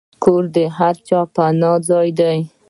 کور د هر چا پناه ځای دی.